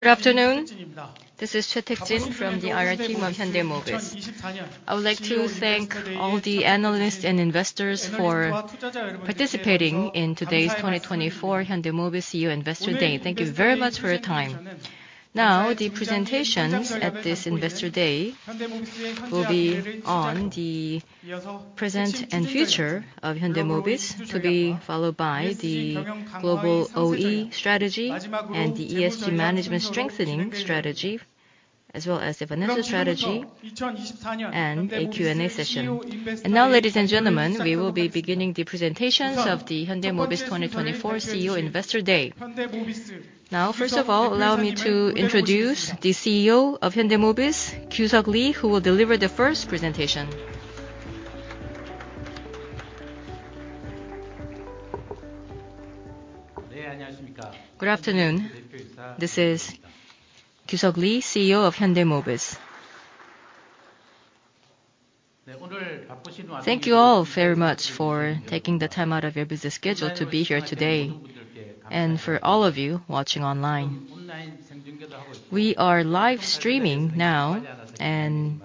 Good afternoon. This is Choi Tak Jin from the IR team of Hyundai Mobis. I would like to thank all the analysts and investors for participating in today's 2024 Hyundai Mobis CEO Investor Day. Thank you very much for your time. Now, the presentations at this Investor Day will be on the present and future of Hyundai Mobis, to be followed by the global OE strategy and the ESG management strengthening strategy, as well as the financial strategy and a Q&A session. And now, ladies and gentlemen, we will be beginning the presentations of the Hyundai Mobis 2024 CEO Investor Day. Now, first of all, allow me to introduce the CEO of Hyundai Mobis, Gyu-suk Lee, who will deliver the first presentation. Good afternoon. This is Gyu-suk Lee, CEO of Hyundai Mobis. Thank you all very much for taking the time out of your busy schedule to be here today, and for all of you watching online. We are live streaming now, and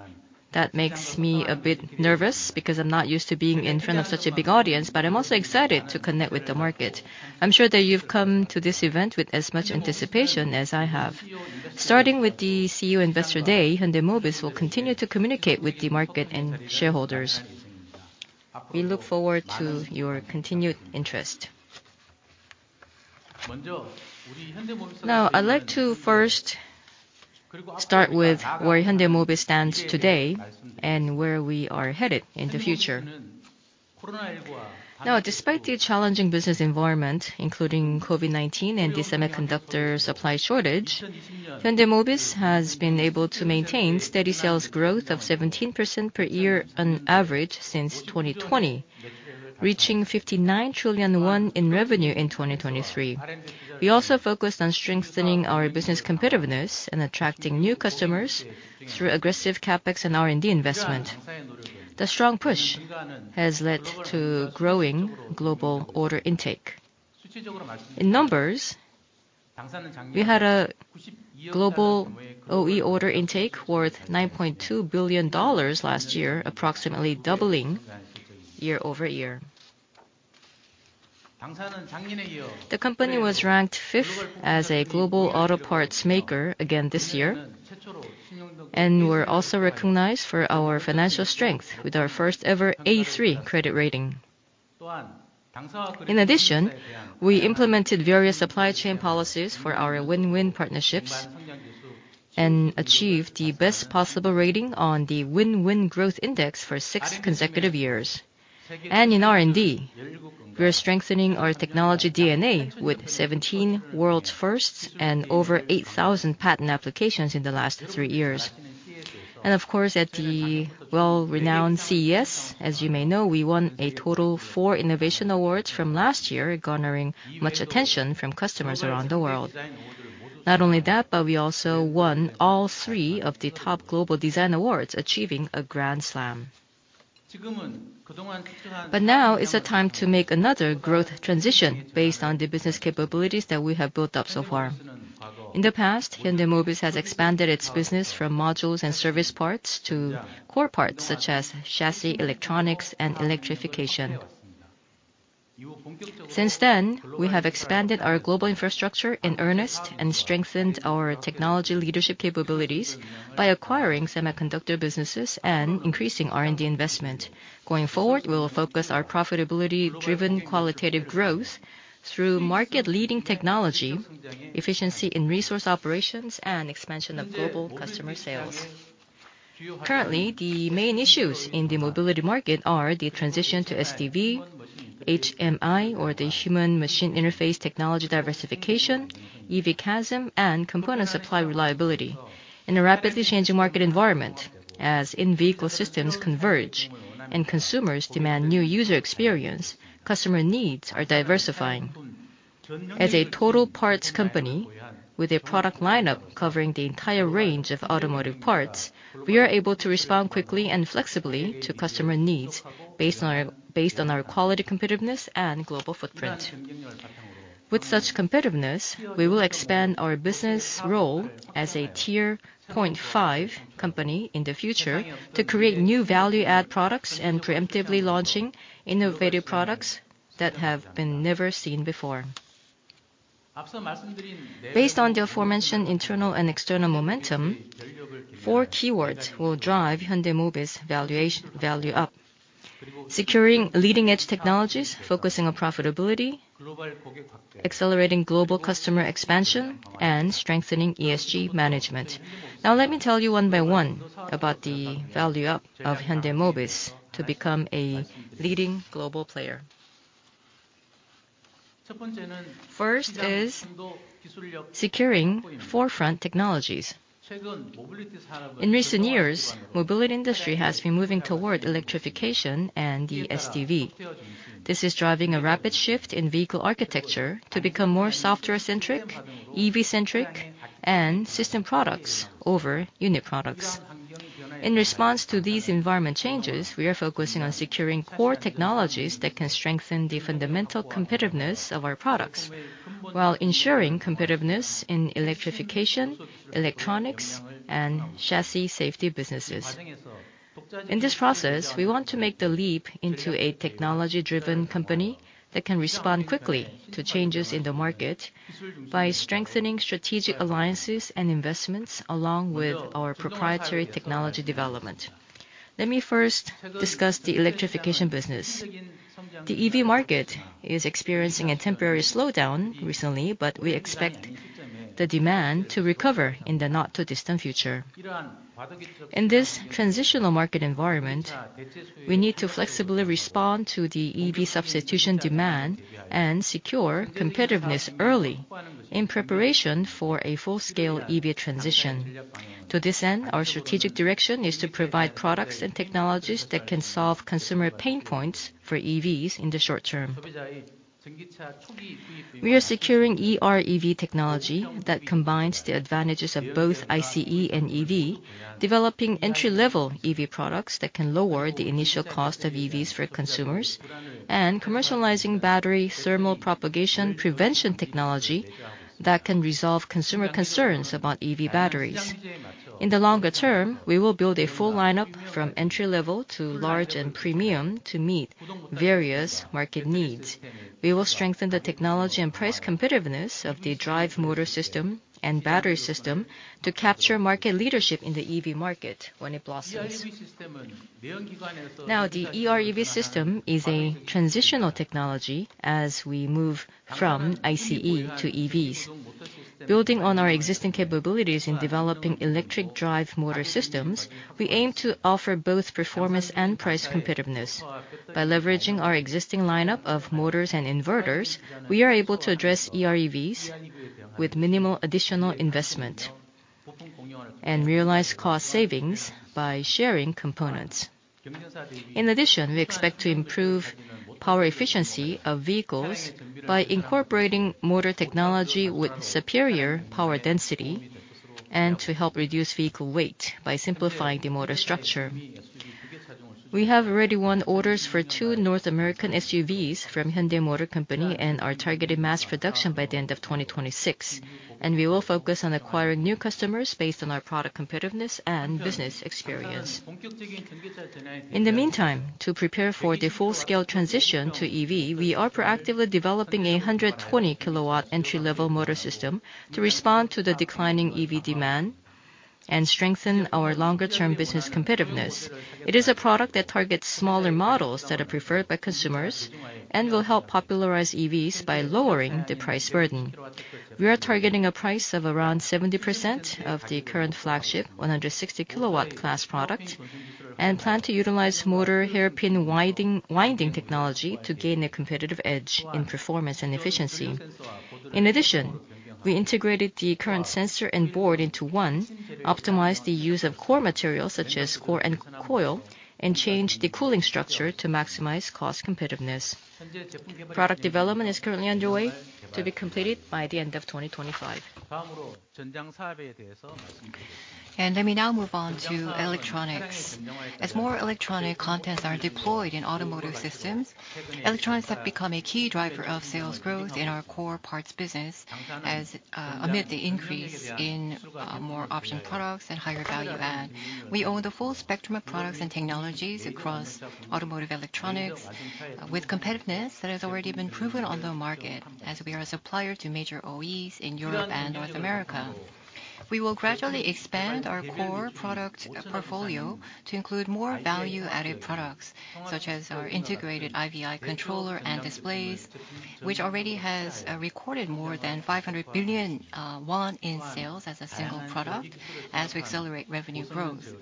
that makes me a bit nervous because I'm not used to being in front of such a big audience, but I'm also excited to connect with the market. I'm sure that you've come to this event with as much anticipation as I have. Starting with the CEO Investor Day, Hyundai Mobis will continue to communicate with the market and shareholders. We look forward to your continued interest. Now, I'd like to first start with where Hyundai Mobis stands today, and where we are headed in the future. Now, despite the challenging business environment, including COVID-19 and the semiconductor supply shortage, Hyundai Mobis has been able to maintain steady sales growth of 17% per year on average since 2020, reaching 59 trillion won in revenue in 2023. We also focused on strengthening our business competitiveness and attracting new customers through aggressive CapEx and R&D investment. The strong push has led to growing global order intake. In numbers, we had a global OE order intake worth $9.2 billion last year, approximately doubling year-over-year. The company was ranked 5th as a global auto parts maker again this year, and we're also recognized for our financial strength with our first-ever A3 credit rating. In addition, we implemented various supply chain policies for our win-win partnerships and achieved the best possible rating on the win-win growth index for six consecutive years. In R&D, we are strengthening our technology DNA with 17 world's firsts and over 8,000 patent applications in the last 3 years. And of course, at the well-renowned CES, as you may know, we won a total of 4 innovation awards from last year, garnering much attention from customers around the world. Not only that, but we also won all 3 of the top global design awards, achieving a grand slam. Now is the time to make another growth transition based on the business capabilities that we have built up so far. In the past, Hyundai Mobis has expanded its business from modules and service parts to core parts such as chassis, electronics, and electrification. Since then, we have expanded our global infrastructure in earnest and strengthened our technology leadership capabilities by acquiring semiconductor businesses and increasing R&D investment. Going forward, we will focus our profitability-driven qualitative growth through market-leading technology, efficiency in resource operations, and expansion of global customer sales. Currently, the main issues in the mobility market are the transition to SDV, HMI, or the human machine interface technology diversification, EV Chasm, and component supply reliability. In a rapidly changing market environment, as in-vehicle systems converge and consumers demand new user experience, customer needs are diversifying. As a Total Parts company with a product lineup covering the entire range of automotive parts, we are able to respond quickly and flexibly to customer needs based on our, based on our quality competitiveness and global footprint. With such competitiveness, we will expand our business role as a Tier 0.5 company in the future to create new value-add products and preemptively launching innovative products that have been never seen before. Based on the aforementioned internal and external momentum, four keywords will drive Hyundai Mobis valuation, Value Up: securing leading-edge technologies, focusing on profitability, accelerating global customer expansion, and strengthening ESG management. Now let me tell you one by one about the Value Up of Hyundai Mobis to become a leading global player. First is securing forefront technologies. In recent years, mobility industry has been moving toward electrification and the SDV. This is driving a rapid shift in vehicle architecture to become more software centric, EV centric, and system products over unit products. In response to these environment changes, we are focusing on securing core technologies that can strengthen the fundamental competitiveness of our products, while ensuring competitiveness in electrification, electronics, and chassis safety businesses. In this process, we want to make the leap into a technology-driven company that can respond quickly to changes in the market by strengthening strategic alliances and investments, along with our proprietary technology development. Let me first discuss the electrification business. The EV market is experiencing a temporary slowdown recently, but we expect the demand to recover in the not-too-distant future. In this transitional market environment, we need to flexibly respond to the EV substitution demand and secure competitiveness early in preparation for a full-scale EV transition. To this end, our strategic direction is to provide products and technologies that can solve consumer pain points for EVs in the short term. We are securing EREV technology that combines the advantages of both ICE and EV, developing entry-level EV products that can lower the initial cost of EVs for consumers, and commercializing battery thermal propagation prevention technology that can resolve consumer concerns about EV batteries. In the longer term, we will build a full lineup from entry-level to large and premium to meet various market needs. We will strengthen the technology and price competitiveness of the drive motor system and battery system to capture market leadership in the EV market when it blossoms. Now, the EREV system is a transitional technology as we move from ICE to EVs. Building on our existing capabilities in developing electric drive motor systems, we aim to offer both performance and price competitiveness. By leveraging our existing lineup of motors and inverters, we are able to address EREVs with minimal additional investment, and realize cost savings by sharing components. In addition, we expect to improve power efficiency of vehicles by incorporating motor technology with superior power density, and to help reduce vehicle weight by simplifying the motor structure. We have already won orders for two North American SUVs from Hyundai Motor Company, and are targeting mass production by the end of 2026. We will focus on acquiring new customers based on our product competitiveness and business experience. In the meantime, to prepare for the full-scale transition to EV, we are proactively developing a 120kW entry-level motor system to respond to the declining EV demand and strengthen our longer-term business competitiveness. It is a product that targets smaller models that are preferred by consumers and will help popularize EVs by lowering the price burden. We are targeting a price of around 70% of the current flagship 160kW class product, and plan to utilize motor hairpin winding, winding technology to gain a competitive edge in performance and efficiency. In addition, we integrated the current sensor and board into one, optimized the use of core materials such as core and coil, and changed the cooling structure to maximize cost competitiveness. Product development is currently underway to be completed by the end of 2025. And let me now move on to electronics. As more electronic contents are deployed in automotive systems, electronics have become a key driver of sales growth in our core parts business, as, amid the increase in more option products and higher value add. We own the full spectrum of products and technologies across automotive electronics, with competitiveness that has already been proven on the market, as we are a supplier to major OEs in Europe and North America. We will gradually expand our core product portfolio to include more value-added products, such as our integrated IVI controller and displays, which already has recorded more than 500 million won in sales as a single product, as we accelerate revenue growth.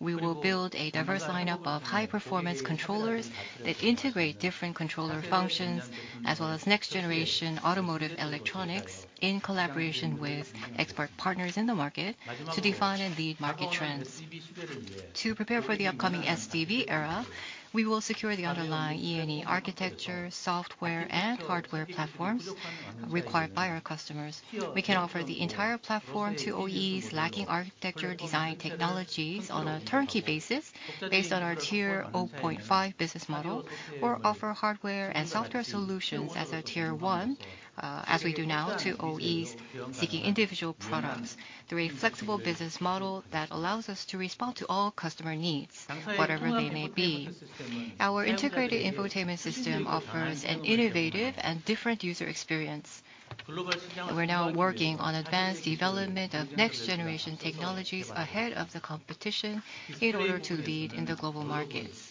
We will build a diverse lineup of high-performance controllers that integrate different controller functions, as well as next-generation automotive electronics, in collaboration with expert partners in the market to define and lead market trends. To prepare for the upcoming SDV era, we will secure the underlying E&E architecture, software, and hardware platforms required by our customers. We can offer the entire platform to OEs lacking architecture design technologies on a turnkey basis, based on our Tier 0.5 business model, or offer hardware and software solutions as a Tier 1, as we do now to OEs seeking individual products, through a flexible business model that allows us to respond to all customer needs, whatever they may be. Our integrated infotainment system offers an innovative and different user experience. We're now working on advanced development of next-generation technologies ahead of the competition in order to lead in the global markets.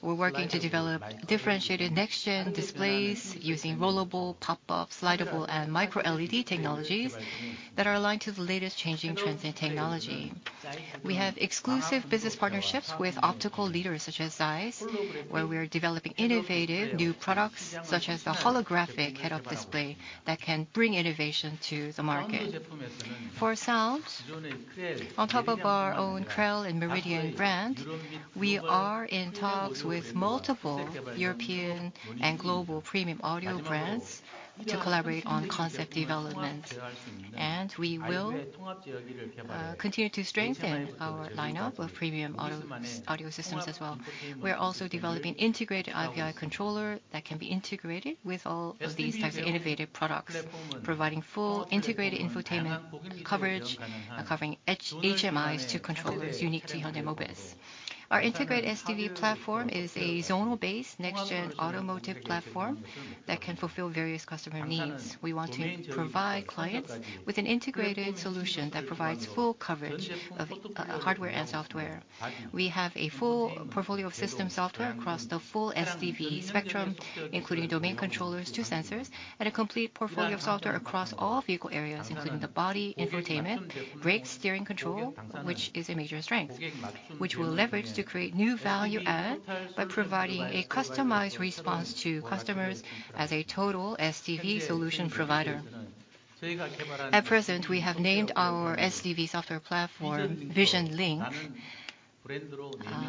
We're working to develop differentiated next-gen displays using rollable, pop-up, slidable, and micro-LED technologies that are aligned to the latest changing trends in technology. We have exclusive business partnerships with optical leaders such as ZEISS, where we are developing innovative new products such as the Holographic Head-Up Display that can bring innovation to the market. For sounds, on top of our own Krell and Meridian brands we are in talks with multiple European and global premium audio brands to collaborate on concept development. We will continue to strengthen our lineup of premium auto audio systems as well. We're also developing integrated IVI controller that can be integrated with all of these types of innovative products, providing full integrated infotainment coverage, covering HMIs to controllers unique to Hyundai Mobis. Our integrated SDV platform is a zonal-based next-gen automotive platform that can fulfill various customer needs. We want to provide clients with an integrated solution that provides full coverage of hardware and software. We have a full portfolio of system software across the full SDV spectrum, including domain controllers to sensors, and a complete portfolio of software across all vehicle areas, including the body, infotainment, brake/steering control, which is a major strength. Which we'll leverage to create new value add, by providing a customized response to customers as a total SDV solution provider. At present, we have named our SDV software platform Vision Link.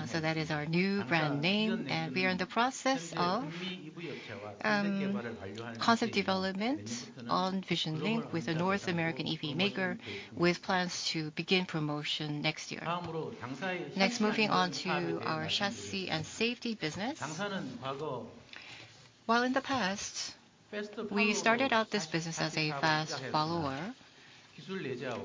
So that is our new brand name, and we are in the process of concept development on Vision Link with a North American EV maker, with plans to begin promotion next year. Next, moving on to our chassis and safety business. While in the past, we started out this business as a fast follower,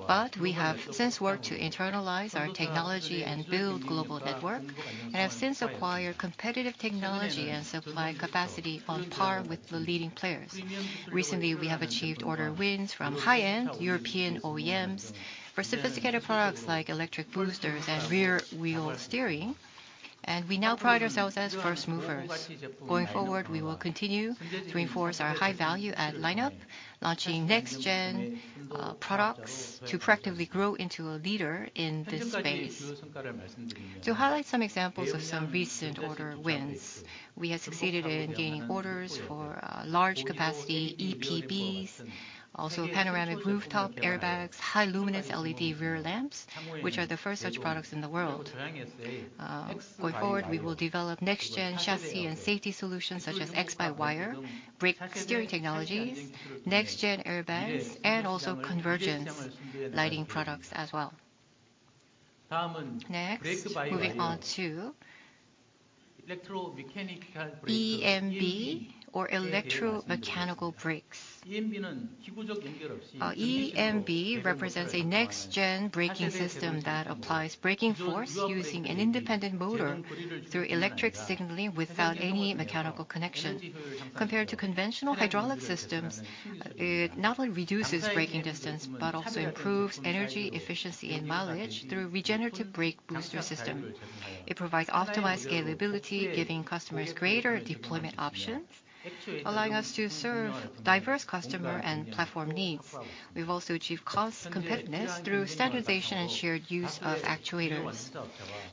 but we have since worked to internalize our technology and build global network, and have since acquired competitive technology and supply capacity on par with the leading players. Recently, we have achieved order wins from high-end European OEMs for sophisticated products like electric boosters and rear wheel steering, and we now pride ourselves as first movers. Going forward, we will continue to reinforce our high value add lineup, launching next-gen products to proactively grow into a leader in this space. To highlight some examples of some recent order wins, we have succeeded in gaining orders for large capacity EPBs, also panoramic rooftop airbags, high luminance LED rear lamps, which are the first such products in the world. Going forward, we will develop next-gen chassis and safety solutions such as X-by-Wire, brake steering technologies, next-gen airbags, and also convergence lighting products as well. Next, moving on to electromechanical EMB or Electromechanical Brakes. EMB represents a next-gen braking system that applies braking force using an independent motor through electric signaling without any mechanical connection. Compared to conventional hydraulic systems, it not only reduces braking distance, but also improves energy efficiency and mileage through regenerative brake booster system. It provides optimized scalability, giving customers greater deployment options, allowing us to serve diverse customer and platform needs. We've also achieved cost competitiveness through standardization and shared use of actuators.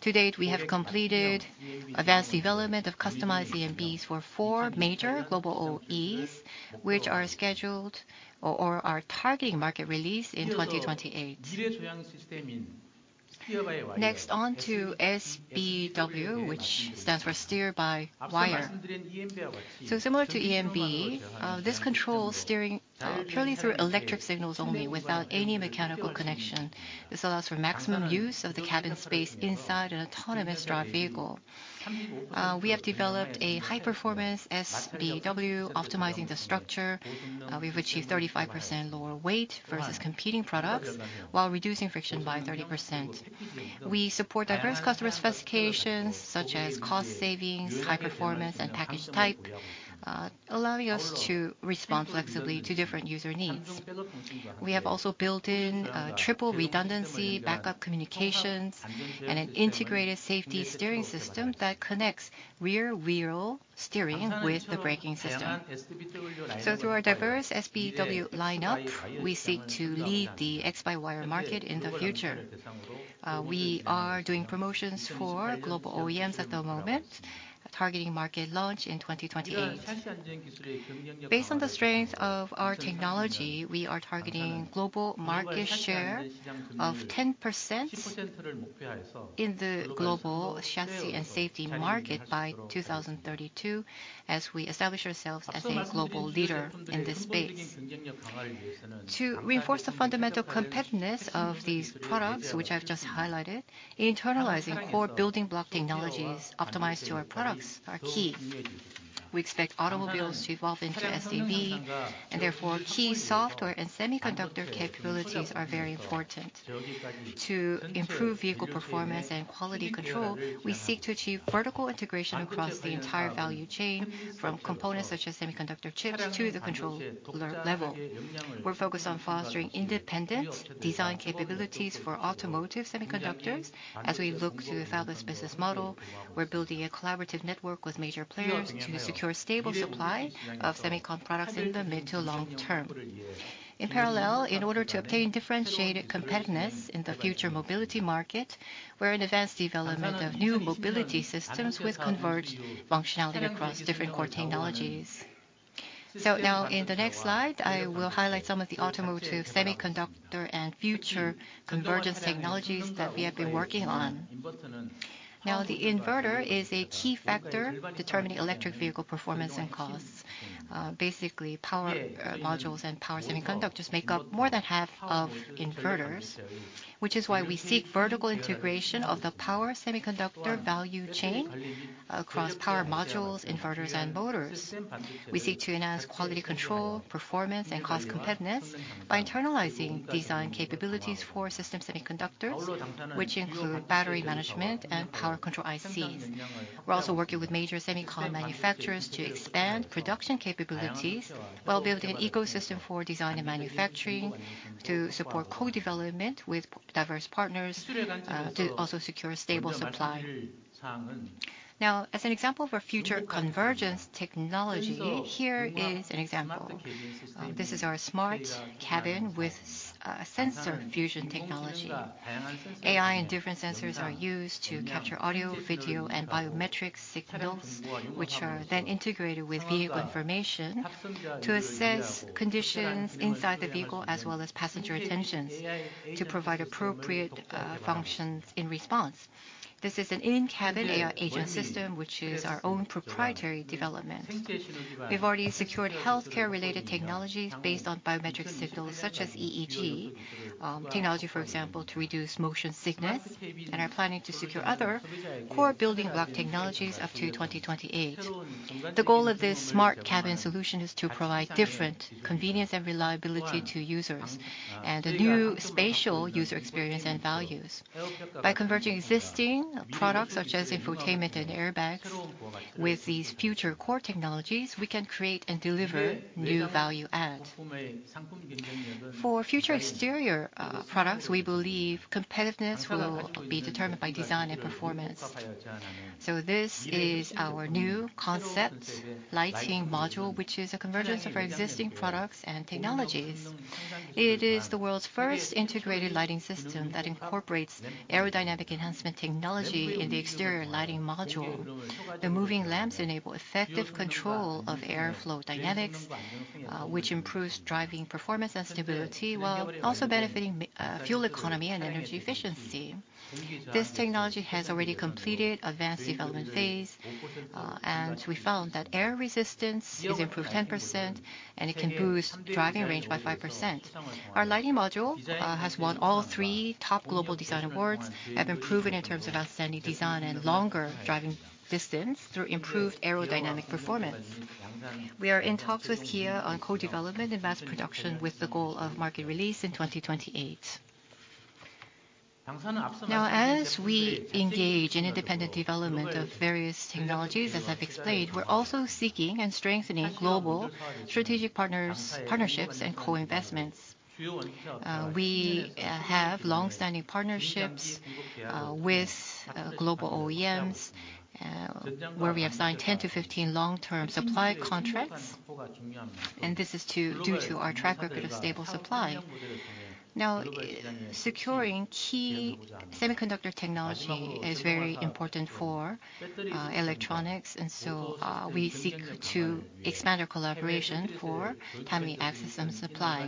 To date, we have completed advanced development of customized EMBs for four major global OEMs, which are scheduled or are targeting market release in 2028. Next on to SBW, which stands for steer-by-wire. So similar to EMB, this controls steering, purely through electric signals only, without any mechanical connection. This allows for maximum use of the cabin space inside an autonomous drive vehicle. We have developed a high-performance SBW, optimizing the structure. We've achieved 35% lower weight versus competing products, while reducing friction by 30%. We support diverse customer specifications such as cost savings, high performance, and package type, allowing us to respond flexibly to different user needs. We have also built in triple redundancy, backup communications, and an integrated safety steering system that connects rear wheel steering with the braking system. So through our diverse SBW lineup, we seek to lead the X-by-Wire market in the future. We are doing promotions for global OEMs at the moment, targeting market launch in 2028. Based on the strength of our technology, we are targeting global market share of 10% in the global chassis and safety market by 2032, as we establish ourselves as a global leader in this space. To reinforce the fundamental competitiveness of these products, which I've just highlighted, internalizing core building block technologies optimized to our products are key. We expect automobiles to evolve into SDV, and therefore, key software and semiconductor capabilities are very important. To improve vehicle performance and quality control, we seek to achieve vertical integration across the entire value chain, from components such as semiconductor chips to the controller-level. We're focused on fostering independent design capabilities for automotive semiconductors. As we look to a fabless business model, we're building a collaborative network with major players to secure stable supply of semicon products in the mid-to-long term. In parallel, in order to obtain differentiated competitiveness in the future mobility market, we're in advanced development of new mobility systems with converged functionality across different core technologies. So now in the next slide, I will highlight some of the automotive semiconductor and future convergence technologies that we have been working on. Now, the inverter is a key factor determining electric vehicle performance and costs. Basically, power modules and power semiconductors make up more than half of inverters, which is why we seek vertical integration of the power semiconductor value chain across power modules, inverters, and motors. We seek to enhance quality control, performance, and cost competitiveness by internalizing design capabilities for system semiconductors, which include battery management and power control ICs. We're also working with major semicon manufacturers to expand production capabilities, while building an ecosystem for design and manufacturing to support co-development with diverse partners, to also secure stable supply. Now, as an example for future convergence technology, here is an example. This is our smart cabin with sensor fusion technology. AI and different sensors are used to capture audio, video, and biometric signals, which are then integrated with vehicle information to assess conditions inside the vehicle, as well as passenger attentions, to provide appropriate functions in response. This is an in-cabin AI agent system, which is our own proprietary development. We've already secured healthcare-related technologies based on biometric signals, such as EEG technology, for example, to reduce motion sickness, and are planning to secure other core building block technologies up to 2028. The goal of this smart cabin solution is to provide different convenience and reliability to users, and a new spatial user experience and values. By converting existing products, such as infotainment and airbags, with these future core technologies, we can create and deliver new value add. For future exterior products, we believe competitiveness will be determined by design and performance. So this is our new concept lighting module, which is a convergence of our existing products and technologies. It is the world's first integrated lighting system that incorporates aerodynamic enhancement technology in the exterior lighting module. The moving lamps enable effective control of airflow dynamics, which improves driving performance and stability, while also benefiting fuel economy and energy efficiency. This technology has already completed advanced development phase, and we found that air resistance is improved 10%, and it can boost driving range by 5%. Our lighting module has won all three top global design awards, have been proven in terms of outstanding design and longer driving distance through improved aerodynamic performance. We are in talks with Kia on co-development and mass production, with the goal of market release in 2028. Now, as we engage in independent development of various technologies, as I've explained, we're also seeking and strengthening global strategic partners, partnerships, and co-investments. We have long-standing partnerships with global OEMs, where we have signed 10-15 long-term supply contracts, and this is due to our track record of stable supply. Now, securing key semiconductor technology is very important for electronics, and so we seek to expand our collaboration for timely access and supply.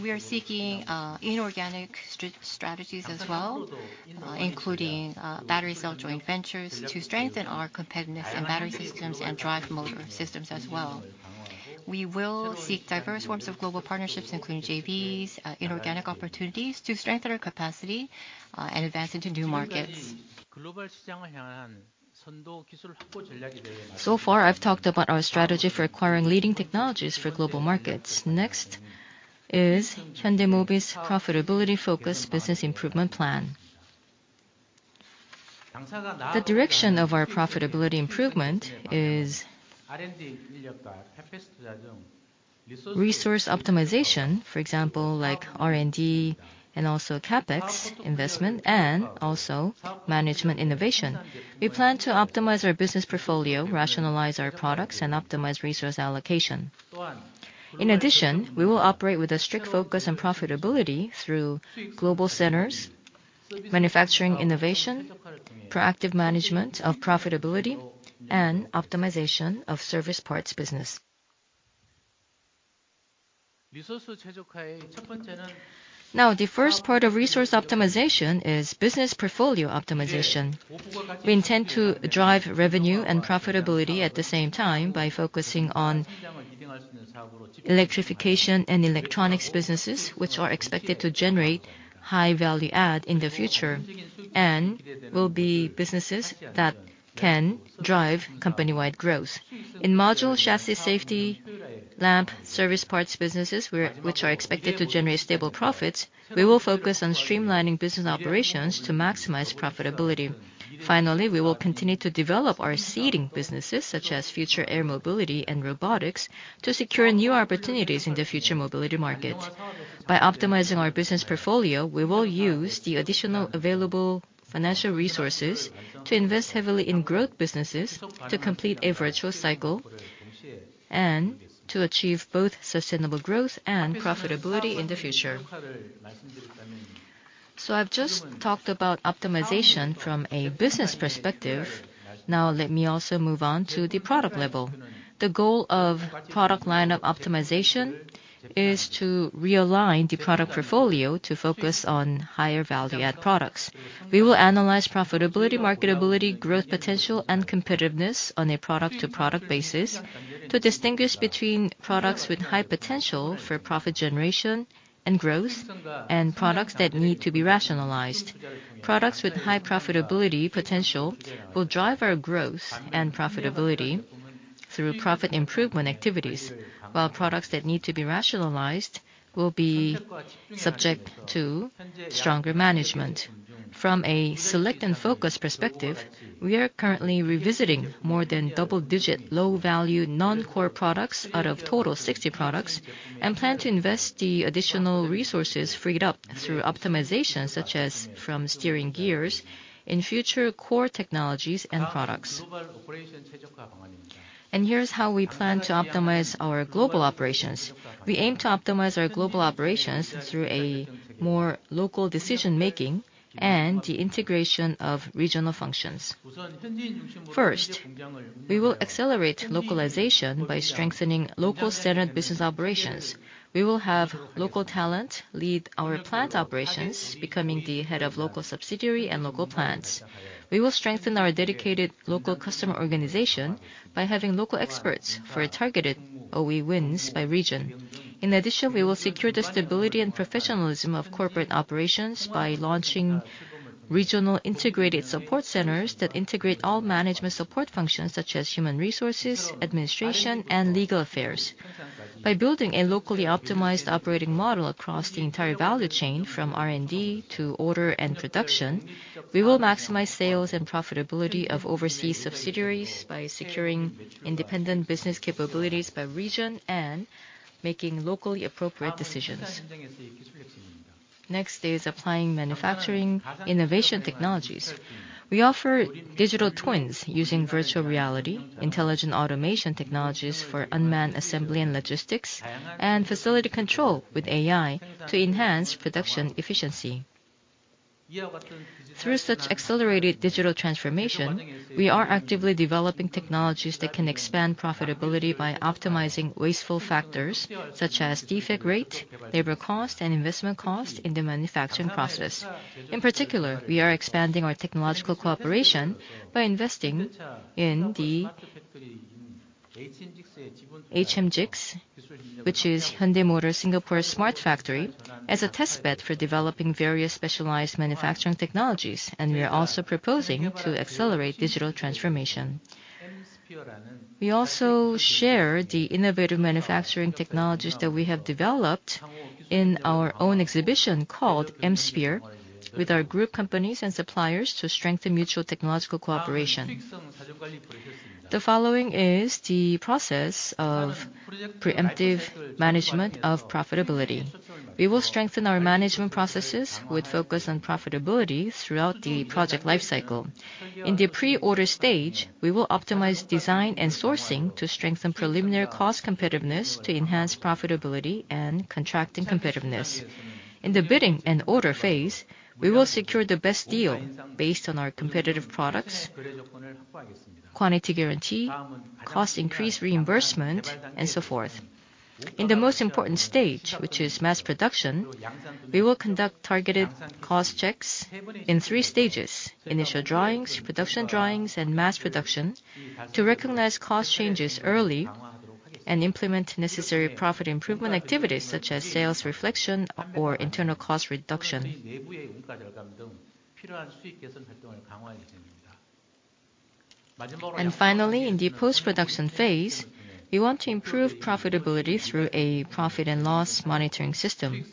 We are seeking inorganic strategies as well, including battery cell joint ventures, to strengthen our competitiveness in battery systems and drive motor systems as well. We will seek diverse forms of global partnerships, including JVs, inorganic opportunities, to strengthen our capacity and advance into new markets. So far, I've talked about our strategy for acquiring leading technologies for global markets. Next is Hyundai Mobis' profitability-focused business improvement plan. The direction of our profitability improvement is resource optimization, for example, like R&D and also CapEx investment, and also management innovation. We plan to optimize our business portfolio, rationalize our products, and optimize resource allocation. In addition, we will operate with a strict focus on profitability through global centers, manufacturing innovation, proactive management of profitability, and optimization of service parts business. Now, the first part of resource optimization is business portfolio optimization. We intend to drive revenue and profitability at the same time by focusing on electrification and electronics businesses, which are expected to generate high value add in the future and will be businesses that can drive company-wide growth. In module chassis safety, lamp service parts businesses, which are expected to generate stable profits, we will focus on streamlining business operations to maximize profitability. Finally, we will continue to develop our Seeding Businesses, such as future air mobility and robotics, to secure new opportunities in the future mobility market. By optimizing our business portfolio, we will use the additional available financial resources to invest heavily in growth businesses, to complete a virtual cycle, and to achieve both sustainable growth and profitability in the future. I've just talked about optimization from a business perspective. Now let me also move on to the product level. The goal of product lineup optimization is to realign the product portfolio to focus on higher value-add products. We will analyze profitability, marketability, growth potential, and competitiveness on a product-to-product basis to distinguish between products with high potential for profit generation and growth, and products that need to be rationalized. Products with high profitability potential will drive our growth and profitability through profit improvement activities, while products that need to be rationalized will be subject to stronger management. From a select and focus perspective, we are currently revisiting more than double-digit low-value, non-core products out of total 60 products, and plan to invest the additional resources freed up through optimization, such as from steering gears, in future core technologies and products. Here's how we plan to optimize our global operations. We aim to optimize our global operations through a more local decision-making and the integration of regional functions. First, we will accelerate localization by strengthening local standard business operations. We will have local talent lead our plant operations, becoming the head of local subsidiary and local plants. We will strengthen our dedicated local customer organization by having local experts for targeted OE wins by region. In addition, we will secure the stability and professionalism of corporate operations by launching regional integrated support centers that integrate all management support functions, such as human resources, administration, and legal affairs. By building a locally optimized operating model across the entire value chain, from R&D to order and production, we will maximize sales and profitability of overseas subsidiaries by securing independent business capabilities by region and making locally appropriate decisions. Next is applying manufacturing innovation technologies. We offer Digital Twins using Virtual Reality, intelligent automation technologies for unmanned assembly and logistics, and facility control with AI to enhance production efficiency. Through such accelerated Digital Transformation, we are actively developing technologies that can expand profitability by optimizing wasteful factors, such as defect rate, labor cost, and investment cost in the manufacturing process. In particular, we are expanding our technological cooperation by investing in the HMGICS, which is Hyundai Motor Singapore Smart Factory, as a test bed for developing various specialized manufacturing technologies, and we are also proposing to accelerate digital transformation. We also share the innovative manufacturing technologies that we have developed in our own exhibition, called M.Sphere, with our group companies and suppliers to strengthen mutual technological cooperation. The following is the process of preemptive management of profitability. We will strengthen our management processes with focus on profitability throughout the Project Life Cycle. In the pre-order stage, we will optimize design and sourcing to strengthen preliminary cost competitiveness, to enhance profitability and contracting competitiveness. In the bidding and order phase, we will secure the best deal based on our competitive products, quantity guarantee, cost increase reimbursement, and so forth. In the most important stage, which is mass production, we will conduct targeted cost checks in three stages: initial drawings, production drawings, and mass production, to recognize cost changes early and implement necessary profit improvement activities, such as sales reflection or internal cost reduction. Finally, in the post-production phase, we want to improve profitability through a profit and loss monitoring system,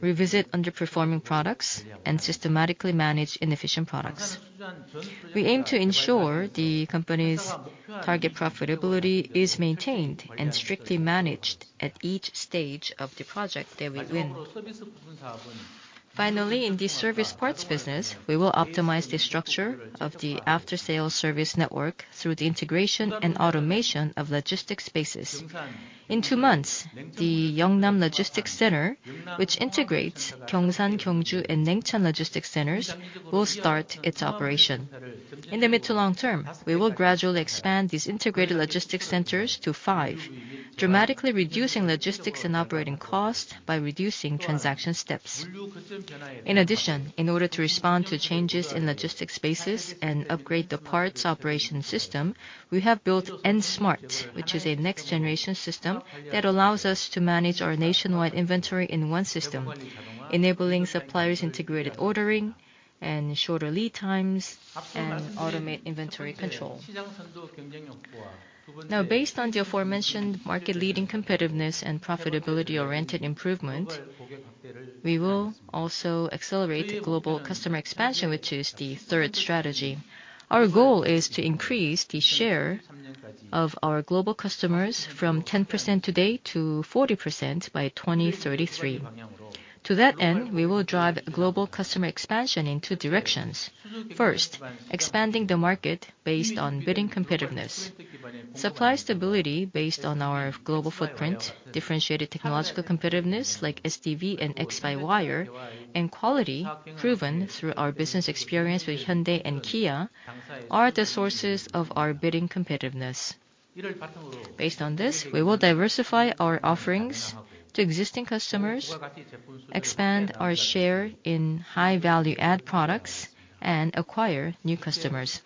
revisit underperforming products, and systematically manage inefficient products. We aim to ensure the company's target profitability is maintained and strictly managed at each stage of the project that we win. Finally, in the service parts business, we will optimize the structure of the after-sales service network through the integration and automation of logistics spaces. In two months, the Yeongnam Logistics Center, which integrates Gyeongsan, Gyeongju, and Ningxia Logistics Centers, will start its operation. In the mid to long term, we will gradually expand these integrated logistics centers to five, dramatically reducing logistics and operating costs by reducing transaction steps. In addition, in order to respond to changes in logistics spaces and upgrade the parts operation system, we have built N-Smart, which is a next-generation system that allows us to manage our nationwide inventory in one system, enabling suppliers integrated ordering and shorter lead times, and automate inventory control. Now, based on the aforementioned market-leading competitiveness and profitability-oriented improvement, we will also accelerate global customer expansion, which is the third strategy. Our goal is to increase the share of our global customers from 10% today to 40% by 2033. To that end, we will drive global customer expansion in two directions. First, expanding the market based on bidding competitiveness. Supply stability based on our global footprint, differentiated technological competitiveness, like SDV and X-by-Wire, and quality proven through our business experience with Hyundai and Kia, are the sources of our bidding competitiveness. Based on this, we will diversify our offerings to existing customers, expand our share in high-value-add products, and acquire new customers.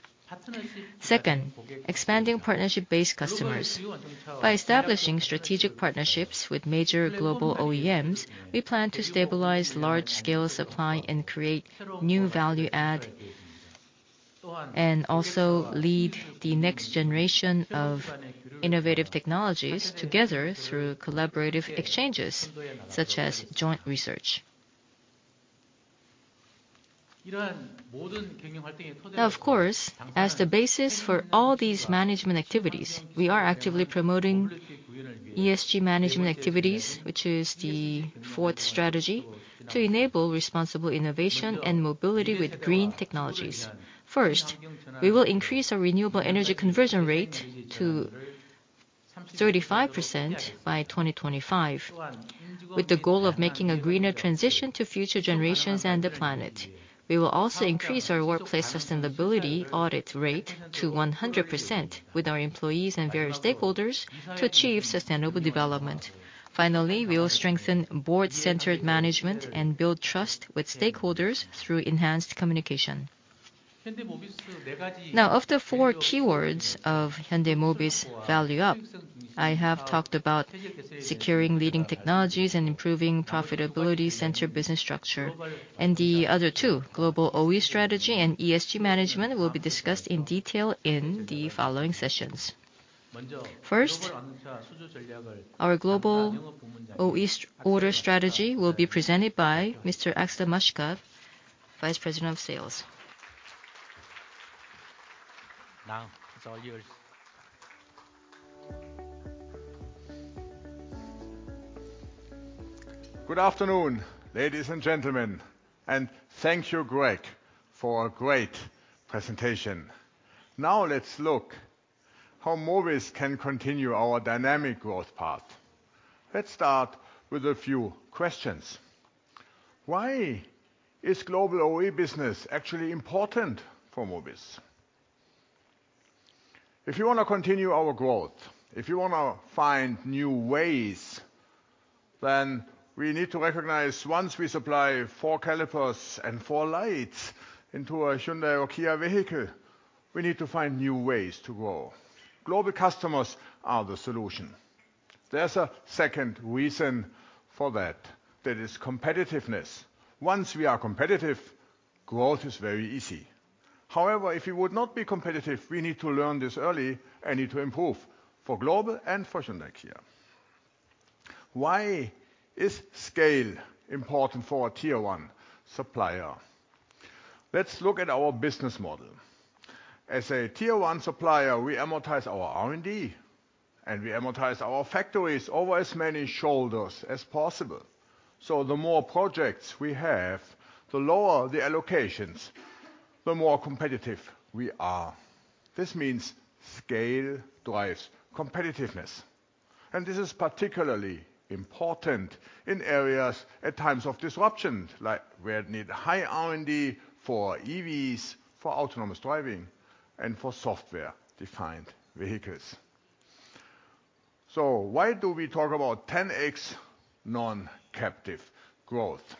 Second, expanding partnership-based customers. By establishing strategic partnerships with major global OEMs, we plan to stabilize large-scale supply and create new value add, and also lead the next generation of innovative technologies together through collaborative exchanges, such as joint research. Now, of course, as the basis for all these management activities, we are actively promoting ESG management activities, which is the fourth strategy, to enable responsible innovation and mobility with green technologies. First, we will increase our renewable energy conversion rate to 35% by 2025, with the goal of making a greener transition to future generations and the planet. We will also increase our workplace sustainability audit rate to 100% with our employees and various stakeholders to achieve sustainable development. Finally, we will strengthen board-centered management and build trust with stakeholders through enhanced communication. Now, of the four keywords of Hyundai Mobis Value Up, I have talked about securing leading technologies and improving profitability-centered business structure. And the other two, global OE strategy and ESG management, will be discussed in detail in the following sessions. First, our global OE order strategy will be presented by Mr. Axel Maschka, Vice President of Sales. Now, it's all yours. Good afternoon, ladies and gentlemen, and thank you, Greg, for a great presentation. Now let's look how Mobis can continue our dynamic growth path. Let's start with a few questions. Why is global OE business actually important for Mobis? If you want to continue our growth, if you want to find new ways, then we need to recognize, once we supply 4 calipers and 4 lights into a Hyundai or Kia vehicle, we need to find new ways to grow. Global customers are the solution. There's a second reason for that. There is competitiveness. Once we are competitive, growth is very easy. However, if you would not be competitive, we need to learn this early and need to improve, for global and for Hyundai Kia. Why is scale important for a Tier 1 supplier? Let's look at our business model. As a Tier 1 supplier, we amortize our R&D, and we amortize our factories over as many shoulders as possible. So the more projects we have, the lower the allocations, the more competitive we are. This means scale drives competitiveness, and this is particularly important in areas at times of disruption, like where need high R&D for EVs, for autonomous driving, and for software-defined vehicles. So why do we talk about 10x non-captive growth?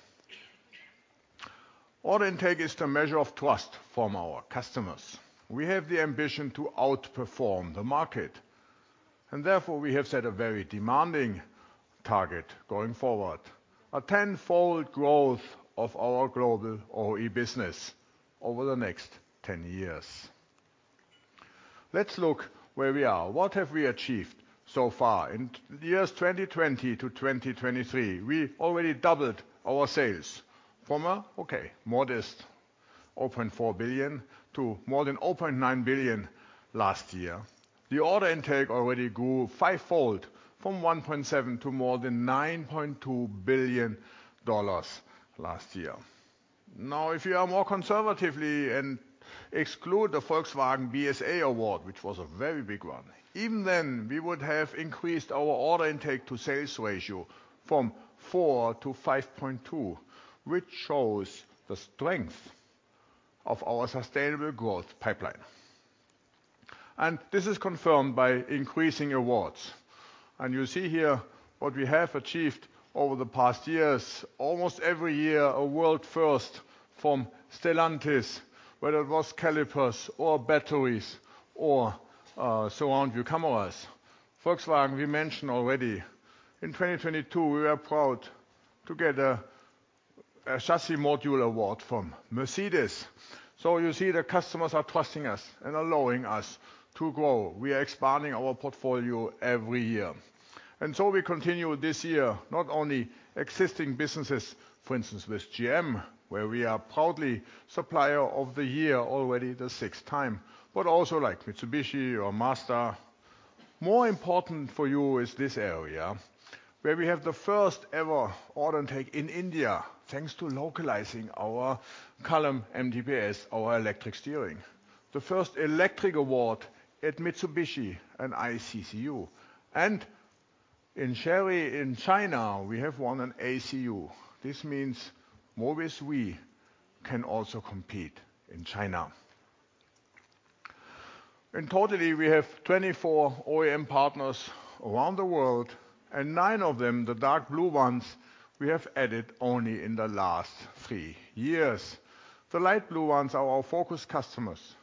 Order intake is the measure of trust from our customers. We have the ambition to outperform the market, and therefore, we have set a very demanding target going forward, a tenfold growth of our global OE business over the next 10 years. Let's look where we are. What have we achieved so far? In the years 2020 to 2023, we already doubled our sales from a, okay, modest $0.4 billion to more than $0.9 billion last year. The order intake already grew fivefold from $1.7 billion to more than $9.2 billion last year. Now, if you are more conservatively and exclude the Volkswagen BSA award, which was a very big one, even then, we would have increased our order intake to sales ratio from 4 to 5.2, which shows the strength of our sustainable growth pipeline. And this is confirmed by increasing awards. And you see here what we have achieved over the past years, almost every year, a world first from Stellantis, whether it was calipers or batteries or, surround view cameras. Volkswagen, we mentioned already. In 2022, we are proud to get a chassis module award from Mercedes. So you see, the customers are trusting us and allowing us to grow. We are expanding our portfolio every year. So we continue this year, not only existing businesses, for instance, with GM, where we are proudly Supplier of the Year, already the 6th time, but also like Mitsubishi or Mazda. More important for you is this area, where we have the first-ever order intake in India, thanks to localizing our column MDPS, our electric steering. The first electric award at Mitsubishi and ICCU, and in Chery in China, we have won an ACU. This means Mobis we can also compete in China. In total, we have 24 OEM partners around the world, and 9 of them, the dark blue ones, we have added only in the last 3 years. The light blue ones are our focus customers.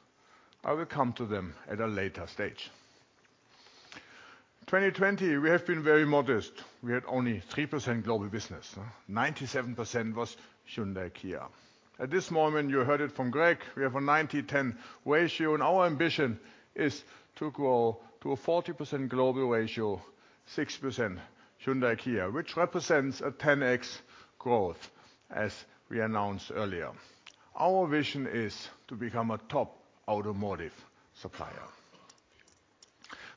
I will come to them at a later stage. 2020, we have been very modest. We had only 3% global business. 97% was Hyundai-Kia. At this moment, you heard it from Greg, we have a 90/10 ratio, and our ambition is to grow to a 40% global ratio, 6% Hyundai-Kia, which represents a 10x growth, as we announced earlier. Our vision is to become a top automotive supplier.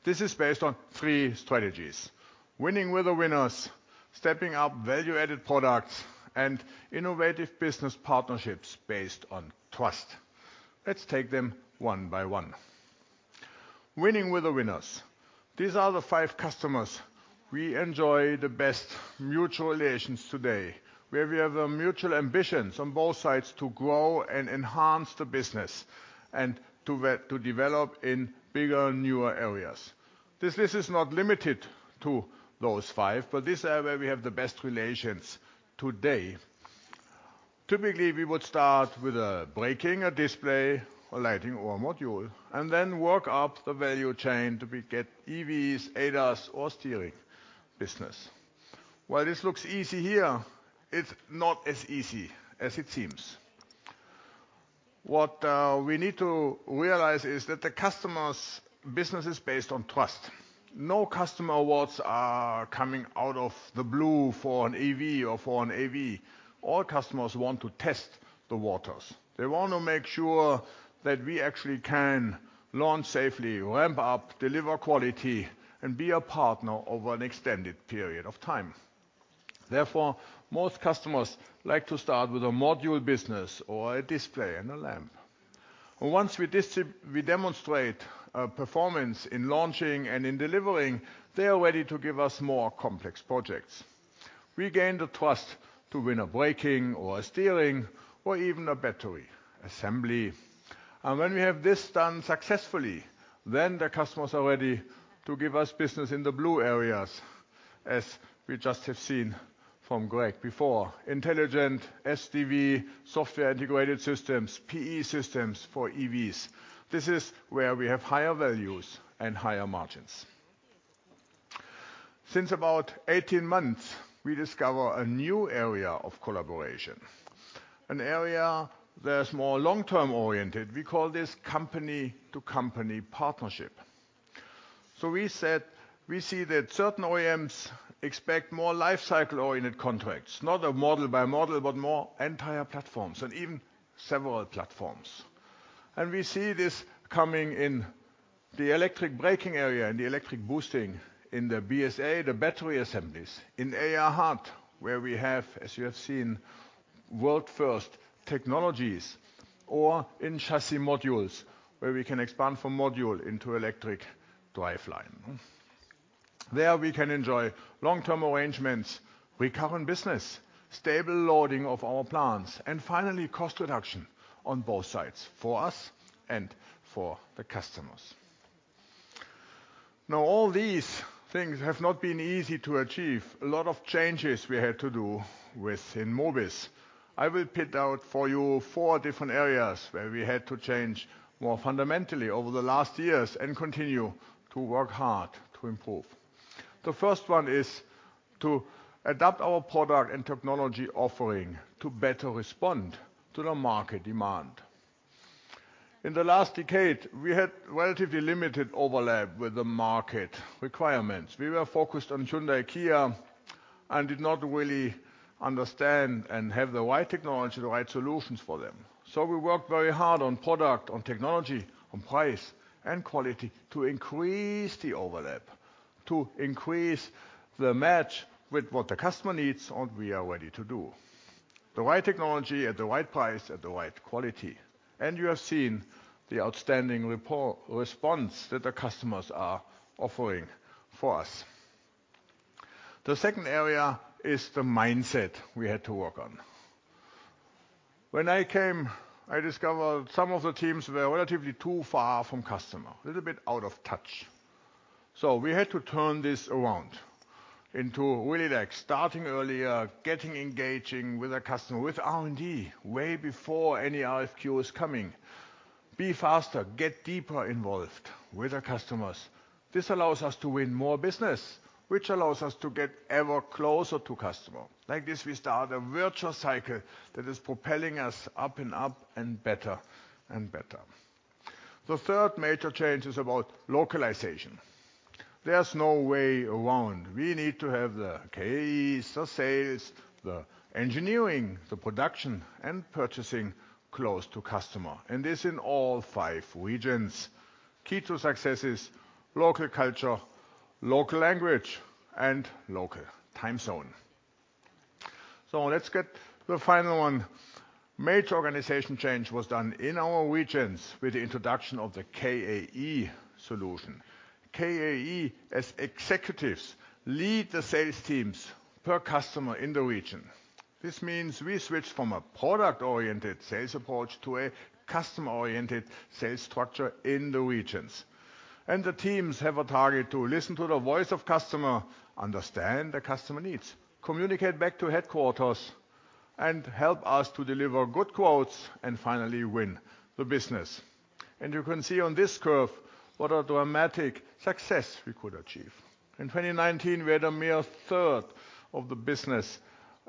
This is based on 3 strategies: winning with the winners, stepping up value-added products, and innovative business partnerships based on trust. Let's take them one by one. Winning with the winners. These are the 5 customers we enjoy the best mutual relations today, where we have a mutual ambitions on both sides to grow and enhance the business and to develop in bigger, newer areas. This list is not limited to those five, but this area we have the best relations today. Typically, we would start with a braking, a display, a lighting, or a module, and then work up the value chain to get EVs, ADAS, or Steering business. While this looks easy here, it's not as easy as it seems. What we need to realize is that the customer's business is based on trust. No customer awards are coming out of the blue for an EV or for an AV. All customers want to test the waters. They want to make sure that we actually can launch safely, ramp up, deliver quality, and be a partner over an extended period of time. Therefore, most customers like to start with a module business or a display and a lamp. Once we demonstrate performance in launching and in delivering, they are ready to give us more complex projects. We gain the trust to win a braking or a steering or even a battery assembly. When we have this done successfully, then the customers are ready to give us business in the blue areas, as we just have seen from Greg before. Intelligent SDV, software integrated systems, PE systems for EVs. This is where we have higher values and higher margins. Since about 18 months, we discover a new area of collaboration, an area that's more long-term oriented. We call this company-to-company partnership. We said we see that certain OEMs expect more life cycle-oriented contracts. Not a model-by-model, but more entire platforms and even several platforms. We see this coming in the electric braking area and the electric boosting in the BSA, the battery assemblies, in AR-HUD, where we have, as you have seen, world-first technologies, or in chassis modules, where we can expand from module into electric driveline. There, we can enjoy long-term arrangements, recurring business, stable loading of our plants, and finally, cost reduction on both sides, for us and for the customers. Now, all these things have not been easy to achieve. A lot of changes we had to do within Mobis. I will pick out for you four different areas where we had to change more fundamentally over the last years and continue to work hard to improve. The first one is to adapt our product and technology offering to better respond to the market demand. In the last decade, we had relatively limited overlap with the market requirements. We were focused on Hyundai-Kia and did not really understand and have the right technology, the right solutions for them. So we worked very hard on product, on technology, on price, and quality to increase the overlap, to increase the match with what the customer needs, and we are ready to do. The right technology at the right price, at the right quality, and you have seen the outstanding response that the customers are offering for us. The second area is the mindset we had to work on. When I came, I discovered some of the teams were relatively too far from customer, a little bit out of touch. So we had to turn this around into really like starting earlier, getting engaging with the customer, with R&D, way before any RFQ is coming. Be faster, get deeper involved with the customers. This allows us to win more business, which allows us to get ever closer to customer. Like this, we start a virtuous cycle that is propelling us up and up and better and better. The third major change is about localization. There's no way around. We need to have the KAEs, the sales, the engineering, the production, and purchasing close to customer, and this in all five regions. Key to success is local culture, local language, and local time zone. So let's get to the final one. Major organizational change was done in our regions with the introduction of the KAE solution. KAE, as executives, lead the sales teams per customer in the region. This means we switch from a product-oriented sales approach to a customer-oriented sales structure in the regions. The teams have a target to listen to the voice of customer, understand the customer needs, communicate back to headquarters, and help us to deliver good quotes, and finally, win the business. You can see on this curve what a dramatic success we could achieve. In 2019, we had a mere 1/3 of the business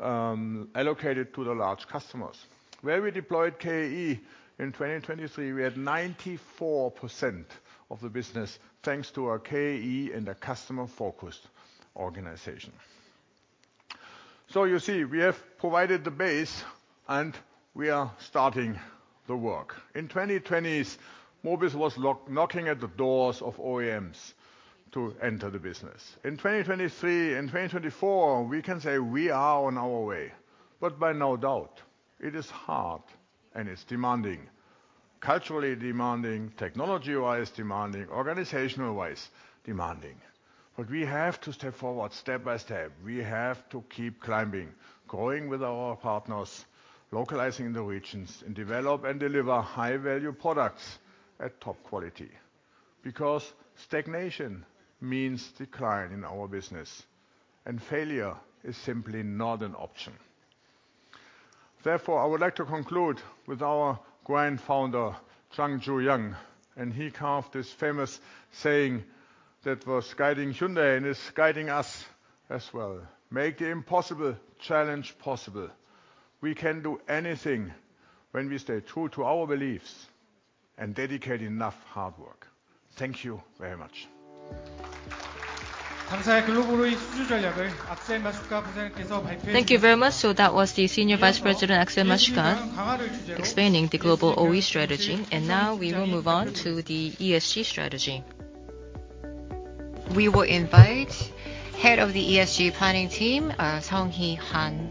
allocated to the large customers. Where we deployed KAE in 2023, we had 94% of the business, thanks to our KAE and the customer-focused organization. You see, we have provided the base, and we are starting the work. In the 2020s, Mobis was knocking at the doors of OEMs to enter the business. In 2023 and 2024, we can say we are on our way, but without a doubt, it is hard and it's demanding, culturally demanding, technology-wise demanding, organizational-wise demanding. But we have to step forward step by step. We have to keep climbing, growing with our partners, localizing the regions, and develop and deliver high-value products at top quality. Because stagnation means decline in our business, and failure is simply not an option. Therefore, I would like to conclude with our grand founder, Chung Ju-yung, and he carved this famous saying that was guiding Hyundai and is guiding us as well: "Make the impossible challenge possible." We can do anything when we stay true to our beliefs and dedicate enough hard work. Thank you very much. Thank you very much. So that was the Senior Vice President, Axel Maschka, explaining the global OE strategy. And now we will move on to the ESG strategy. We will invite Head of the ESG Planning team, Sung-hee Han.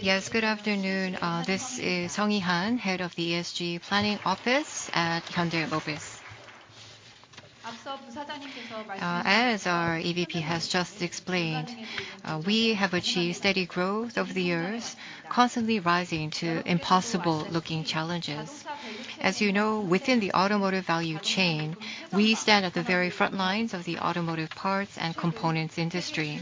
Yes, good afternoon. This is Sung-hee Han, Head of the ESG Planning Office at Hyundai Mobis. As our EVP has just explained, we have achieved steady growth over the years, constantly rising to impossible-looking challenges. As you know, within the automotive value chain, we stand at the very front lines of the automotive parts and components industry.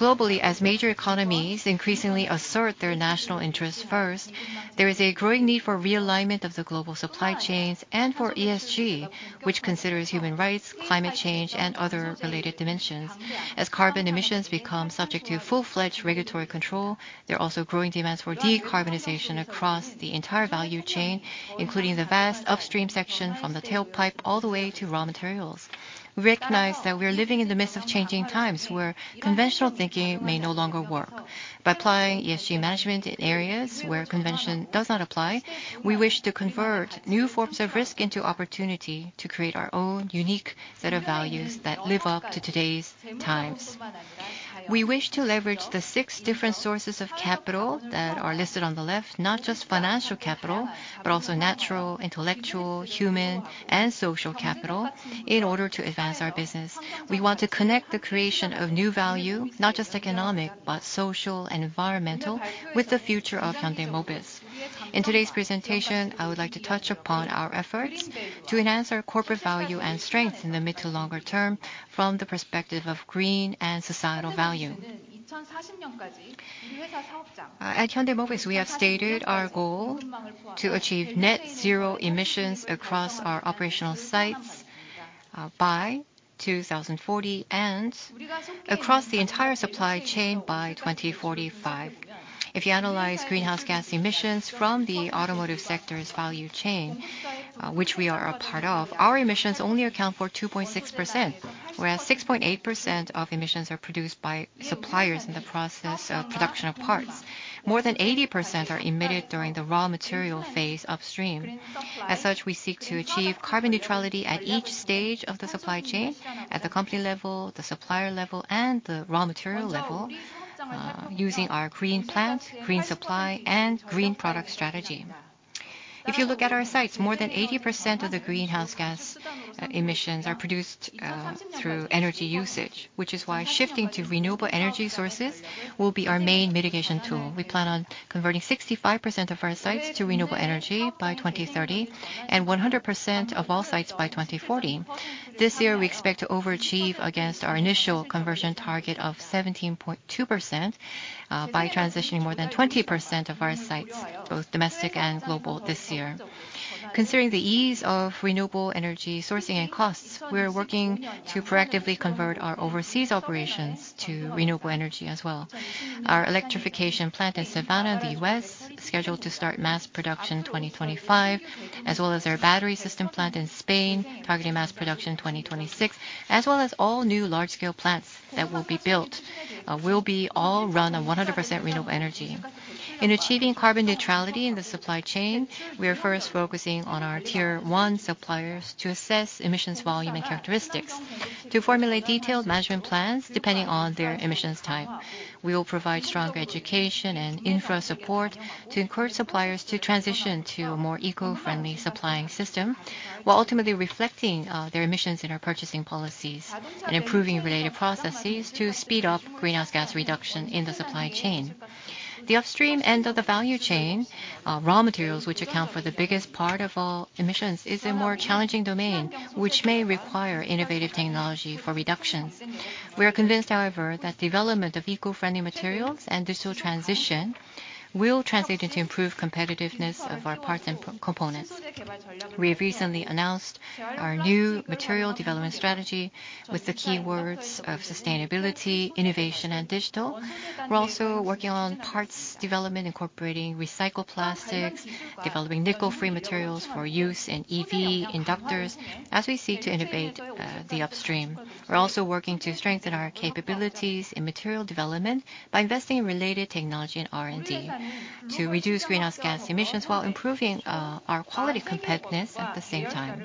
Globally, as major economies increasingly assert their national interests first, there is a growing need for realignment of the global supply chains and for ESG, which considers human rights, climate change, and other related dimensions. As carbon emissions become subject to full-fledged regulatory control, there are also growing demands for decarbonization across the entire value chain, including the vast upstream section from the tailpipe all the way to raw materials. We recognize that we are living in the midst of changing times, where conventional thinking may no longer work. By applying ESG management in areas where convention does not apply, we wish to convert new forms of risk into opportunity to create our own unique set of values that live up to today's times. We wish to leverage the six different sources of capital that are listed on the left, not just financial capital, but also natural, intellectual, human, and social capital in order to advance our business. We want to connect the creation of new value, not just economic, but social and environmental, with the future of Hyundai Mobis. In today's presentation, I would like to touch upon our efforts to enhance our corporate value and strength in the mid to longer term from the perspective of green and societal value. At Hyundai Mobis, we have stated our goal to achieve net zero emissions across our operational sites, by 2040, and across the entire supply chain by 2045. If you analyze greenhouse gas emissions from the automotive sector's value chain, which we are a part of, our emissions only account for 2.6%, whereas 6.8% of emissions are produced by suppliers in the process of production of parts. More than 80% are emitted during the raw material phase upstream. As such, we seek to achieve carbon neutrality at each stage of the supply chain, at the company level, the supplier level, and the raw material level, using our green plant, green supply, and green product strategy. If you look at our sites, more than 80% of the greenhouse gas emissions are produced through energy usage, which is why shifting to renewable energy sources will be our main mitigation tool. We plan on converting 65% of our sites to renewable energy by 2030 and 100% of all sites by 2040. This year, we expect to overachieve against our initial conversion target of 17.2%, by transitioning more than 20% of our sites, both domestic and global, this year. Considering the ease of renewable energy sourcing and costs, we are working to proactively convert our overseas operations to renewable energy as well. Our electrification plant in Savannah, the U.S., scheduled to start mass production in 2025, as well as our battery system plant in Spain, targeting mass production in 2026, as well as all new large-scale plants that will be built, will be all run on 100% renewable energy. In achieving carbon neutrality in the supply chain, we are first focusing on our Tier 1 suppliers to assess emissions volume and characteristics. To formulate detailed management plans, depending on their emissions type, we will provide stronger education and infra support to encourage suppliers to transition to a more eco-friendly supplying system, while ultimately reflecting their emissions in our purchasing policies and improving related processes to speed up greenhouse gas reduction in the supply chain. The upstream end of the value chain, raw materials, which account for the biggest part of all emissions, is a more challenging domain, which may require innovative technology for reduction. We are convinced, however, that development of eco-friendly materials and digital transition will translate into improved competitiveness of our parts and components. We have recently announced our new material development strategy with the keywords of sustainability, innovation, and digital. We're also working on parts development, incorporating recycled plastics, developing nickel-free materials for use in EV inductors, as we seek to innovate the upstream. We're also working to strengthen our capabilities in material development by investing in related technology and R&D to reduce greenhouse gas emissions while improving our quality competitiveness at the same time.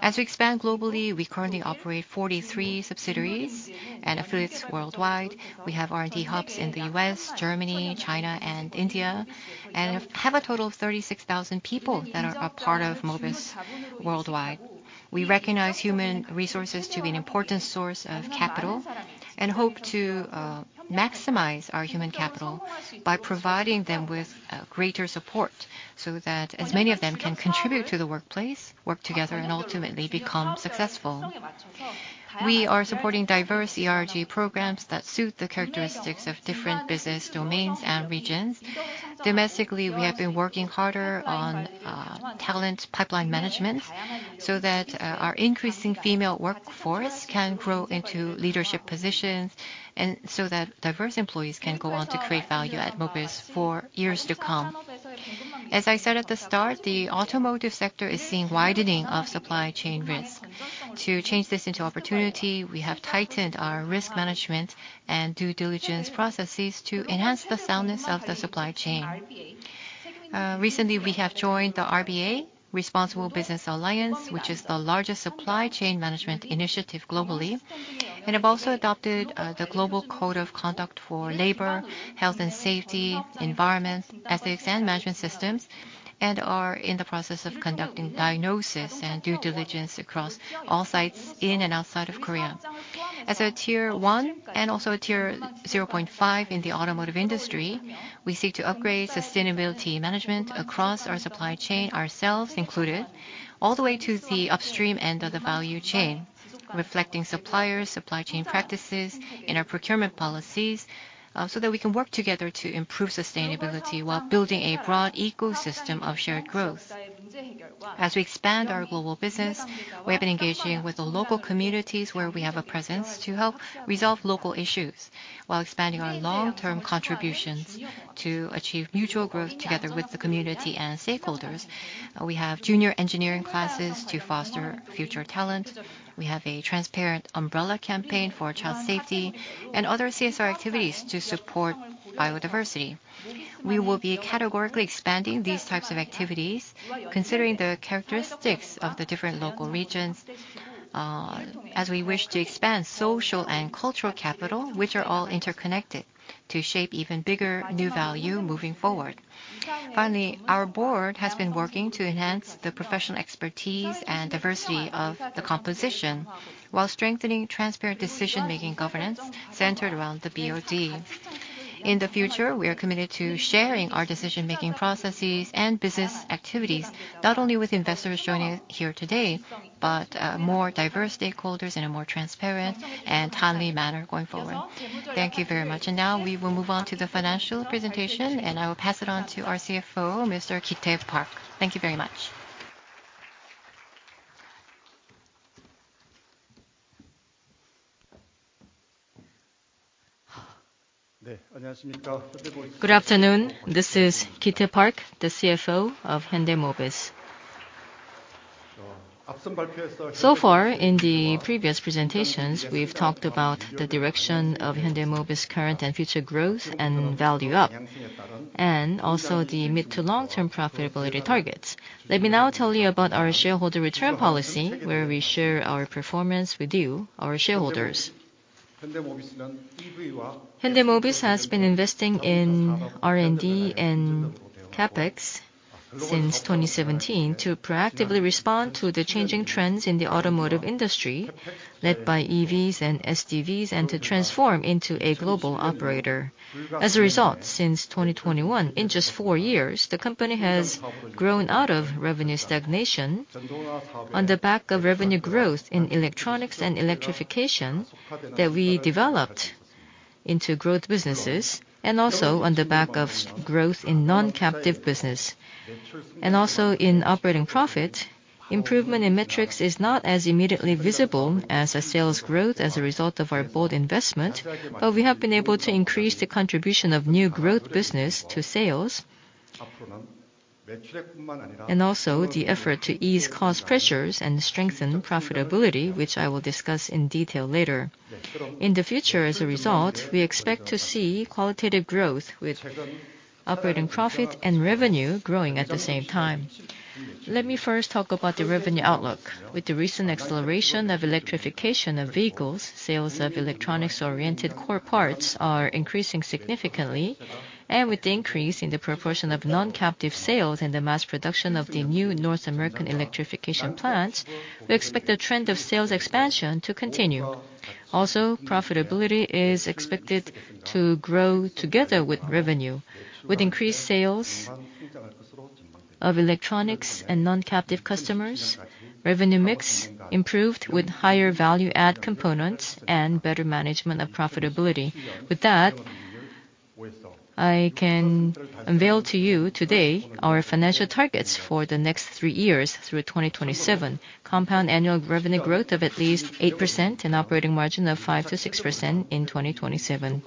As we expand globally, we currently operate 43 subsidiaries and affiliates worldwide. We have R&D hubs in the U.S., Germany, China, and India, and have a total of 36,000 people that are a part of Mobis worldwide. We recognize human resources to be an important source of capital, and hope to maximize our human capital by providing them with greater support, so that as many of them can contribute to the workplace, work together, and ultimately become successful. We are supporting diverse ERG programs that suit the characteristics of different business domains and regions. Domestically, we have been working harder on talent pipeline management, so that our increasing female workforce can grow into leadership positions, and so that diverse employees can go on to create value at Mobis for years to come. As I said at the start, the automotive sector is seeing widening of supply chain risk. To change this into opportunity, we have tightened our risk management and due diligence processes to enhance the soundness of the supply chain. Recently, we have joined the RBA, Responsible Business Alliance, which is the largest supply chain management initiative globally, and have also adopted the global code of conduct for labor, health and safety, environment, ethics, and management systems, and are in the process of conducting diagnosis and due diligence across all sites in and outside of Korea. As a Tier 1 and also a Tier 0.5 in the automotive industry, we seek to upgrade sustainability management across our supply chain, ourselves included, all the way to the upstream end of the value chain, reflecting suppliers, supply chain practices in our procurement policies, so that we can work together to improve sustainability while building a broad ecosystem of shared growth. As we expand our global business, we have been engaging with the local communities where we have a presence, to help resolve local issues while expanding our long-term contributions to achieve mutual growth together with the community and stakeholders. We have Junior Engineering Classes to foster future talent. We have a Transparent Umbrella Campaign for child safety and other CSR activities to support biodiversity. We will be categorically expanding these types of activities, considering the characteristics of the different local regions, as we wish to expand social and cultural capital, which are all interconnected, to shape even bigger new value moving forward. Finally, our board has been working to enhance the professional expertise and diversity of the composition, while strengthening transparent decision-making governance centered around the BOD. In the future, we are committed to sharing our decision-making processes and business activities, not only with investors joining here today, but more diverse stakeholders in a more transparent and timely manner going forward. Thank you very much. Now we will move on to the financial presentation, and I will pass it on to our CFO, Mr. Park Ki-tae. Thank you very much. Good afternoon. This is Park Ki-tae, the CFO of Hyundai Mobis. So far in the previous presentations, we've talked about the direction of Hyundai Mobis' current and future growth and Value Up, and also the mid to long-term profitability targets. Let me now tell you about our Shareholder Return Policy, where we share our performance with you, our shareholders. Hyundai Mobis has been investing in R&D and CapEx since 2017 to proactively respond to the changing trends in the automotive industry, led by EVs and SDVs, and to transform into a global operator. As a result, since 2021, in just four years, the company has grown out of revenue stagnation on the back of revenue growth in electronics and electrification that we developed into growth businesses, and also on the back of growth in non-captive business. Also in operating profit, improvement in metrics is not as immediately visible as a sales growth as a result of our bold investment, but we have been able to increase the contribution of new growth business to sales... and also the effort to ease cost pressures and strengthen profitability, which I will discuss in detail later. In the future, as a result, we expect to see qualitative growth with operating profit and revenue growing at the same time. Let me first talk about the revenue outlook. With the recent acceleration of electrification of vehicles, sales of electronics-oriented core parts are increasing significantly, and with the increase in the proportion of non-captive sales and the mass production of the new North American electrification plants, we expect the trend of sales expansion to continue. Also, profitability is expected to grow together with revenue. With increased sales of electronics and non-captive customers, revenue mix improved with higher value-add components and better management of profitability. With that, I can unveil to you today our financial targets for the next three years through 2027. Compound annual revenue growth of at least 8% and operating margin of 5%-6% in 2027.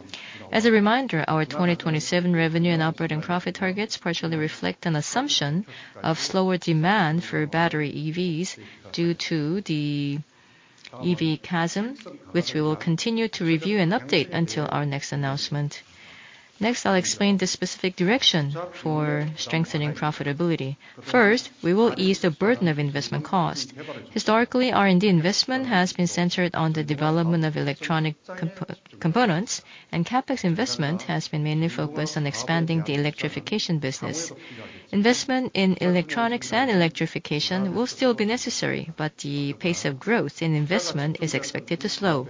As a reminder, our 2027 revenue and operating profit targets partially reflect an assumption of slower demand for battery EVs due to the EV Chasm, which we will continue to review and update until our next announcement. Next, I'll explain the specific direction for strengthening profitability. First, we will ease the burden of investment cost. Historically, R&D investment has been centered on the development of electronic components, and CapEx investment has been mainly focused on expanding the Electrification Business. Investment in electronics and electrification will still be necessary, but the pace of growth in investment is expected to slow.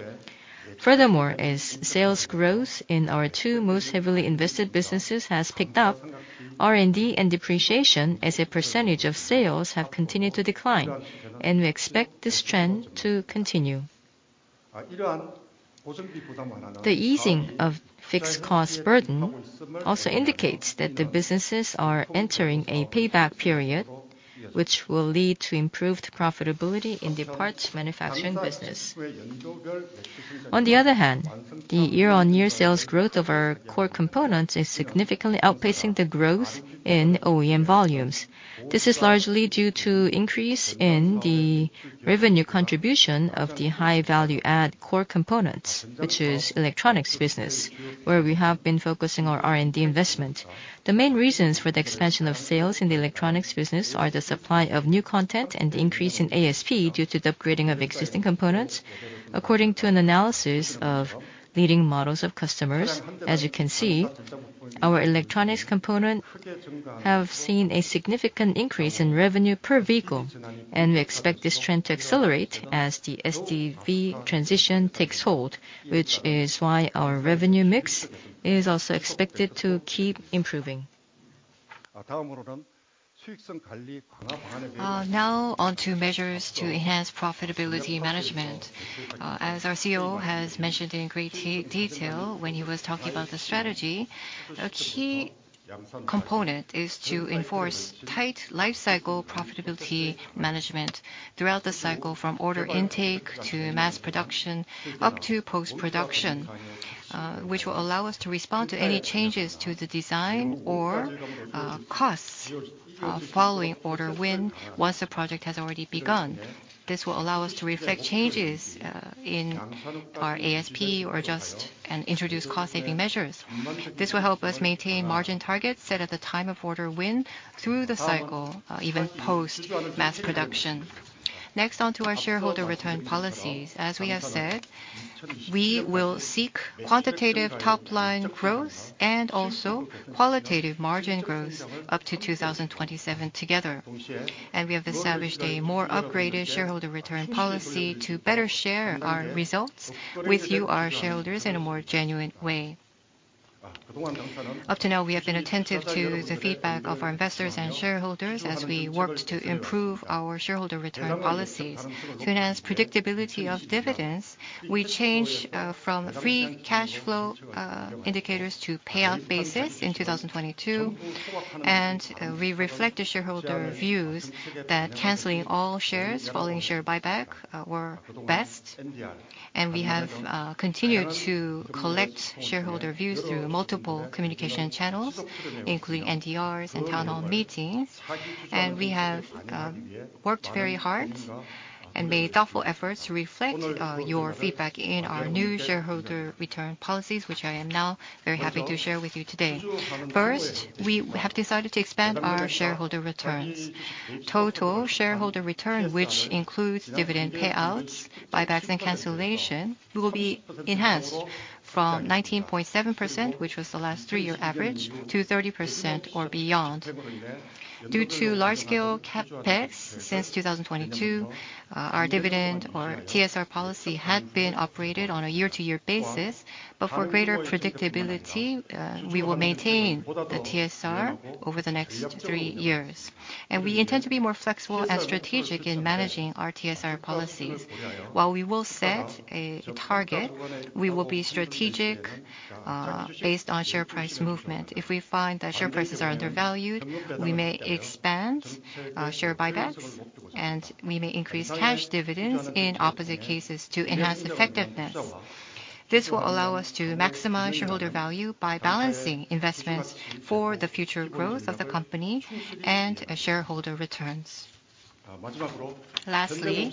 Furthermore, as sales growth in our two most heavily invested businesses has picked up, R&D and depreciation as a percentage of sales have continued to decline, and we expect this trend to continue. The easing of fixed cost burden also indicates that the businesses are entering a payback period, which will lead to improved profitability in the parts manufacturing business. On the other hand, the year-on-year sales growth of our core components is significantly outpacing the growth in OEM volumes. This is largely due to increase in the revenue contribution of the high value-add core components, which is electronics business, where we have been focusing our R&D investment. The main reasons for the expansion of sales in the electronics business are the supply of new content and the increase in ASP due to the upgrading of existing components. According to an analysis of leading models of customers, as you can see, our electronics component have seen a significant increase in revenue per vehicle, and we expect this trend to accelerate as the SDV transition takes hold, which is why our revenue mix is also expected to keep improving. Now on to measures to enhance profitability management. As our CEO has mentioned in great detail when he was talking about the strategy, a key component is to enforce tight Life Cycle Profitability Management throughout the cycle, from order intake to mass production, up to post-production, which will allow us to respond to any changes to the design or costs, following order win, once the project has already begun. This will allow us to reflect changes in our ASP or adjust and introduce cost-saving measures. This will help us maintain margin targets set at the time of order win through the cycle, even post-mass production. Next, on to our shareholder return policies. As we have said, we will seek quantitative top-line growth and also qualitative margin growth up to 2027 together. We have established a more upgraded Shareholder Return Policy to better share our results with you, our shareholders, in a more genuine way. Up to now, we have been attentive to the feedback of our investors and shareholders as we worked to improve our shareholder return policies. To enhance predictability of dividends, we changed from Free Cash Flow indicators to payout basis in 2022, and we reflect the shareholder views that canceling all shares following share buyback were best. We have continued to collect shareholder views through multiple communication channels, including NDRs and town hall meetings, and we have worked very hard and made thoughtful efforts to reflect your feedback in our new shareholder return policies, which I am now very happy to share with you today. First, we have decided to expand our shareholder returns. Total Shareholder Return, which includes dividend payouts, buybacks, and cancellation, will be enhanced from 19.7%, which was the last three-year average, to 30% or beyond. Due to large-scale CapEx since 2022, our dividend or TSR policy had been operated on a year-to-year basis. But for greater predictability, we will maintain the TSR over the next three years, and we intend to be more flexible and strategic in managing our TSR policies. While we will set a target, we will be strategic, based on share price movement. If we find that share prices are undervalued, we may expand, share buybacks, and we may increase cash dividends in opposite cases to enhance effectiveness.... This will allow us to maximize shareholder value by balancing investments for the future growth of the company and, shareholder returns. Lastly,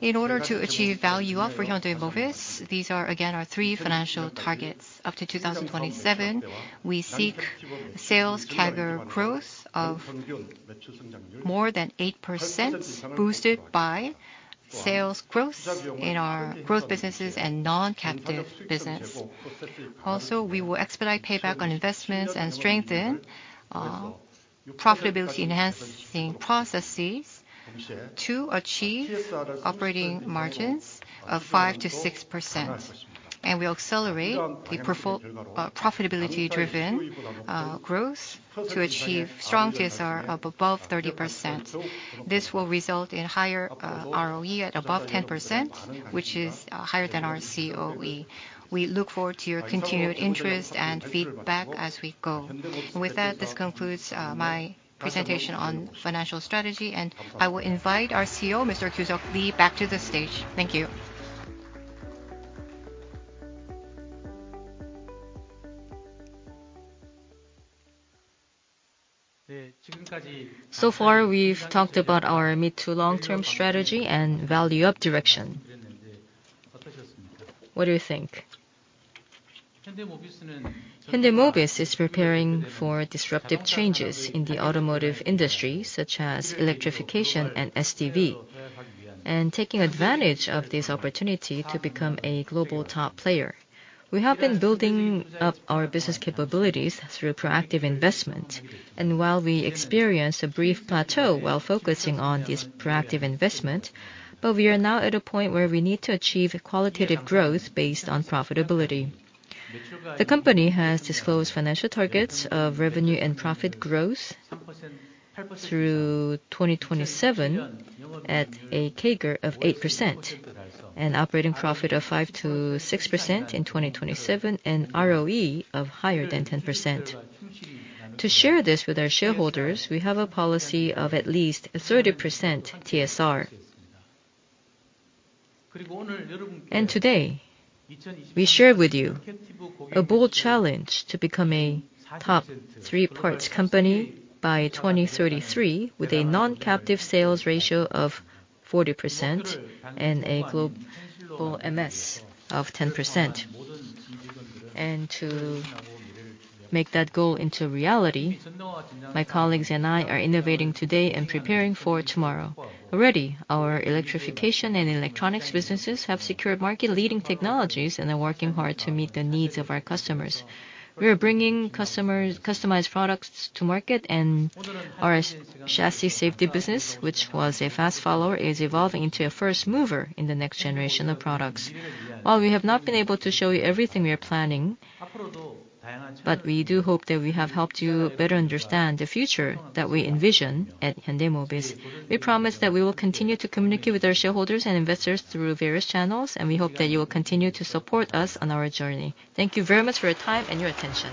in order to achieve Value Up for Hyundai Mobis, these are, again, our three financial targets. Up to 2027, we seek sales CAGR growth of more than 8%, boosted by sales growth in our growth businesses and non-captive business. Also, we will expedite payback on investments and strengthen profitability-enhancing processes to achieve operating margins of 5%-6%. And we'll accelerate the profitability-driven growth to achieve strong TSR of above 30%. This will result in higher ROE at above 10%, which is higher than our COE. We look forward to your continued interest and feedback as we go. And with that, this concludes my presentation on financial strategy, and I will invite our CEO, Mr. Gyu-suk Lee, back to the stage. Thank you. So far, we've talked about our mid- to long-term strategy and Value-Up direction. What do you think? Hyundai Mobis is preparing for disruptive changes in the automotive industry, such as electrification and SDV, and taking advantage of this opportunity to become a global top player. We have been building up our business capabilities through proactive investment, and while we experience a brief plateau while focusing on this proactive investment, but we are now at a point where we need to achieve qualitative growth based on profitability. The company has disclosed financial targets of revenue and profit growth through 2027 at a CAGR of 8%, an operating profit of 5%-6% in 2027, and ROE of higher than 10%. To share this with our shareholders, we have a policy of at least 30% TSR. Today, we share with you a bold challenge to become a top three parts company by 2033, with a non-captive sales ratio of 40% and a global MS of 10%. To make that goal into reality, my colleagues and I are innovating today and preparing for tomorrow. Already, our electrification and electronics businesses have secured market-leading technologies and are working hard to meet the needs of our customers. We are bringing customers customized products to market, and our chassis safety business, which was a fast follower, is evolving into a First Mover in the next generation of products. While we have not been able to show you everything we are planning, but we do hope that we have helped you better understand the future that we envision at Hyundai Mobis. We promise that we will continue to communicate with our shareholders and investors through various channels, and we hope that you will continue to support us on our journey. Thank you very much for your time and your attention.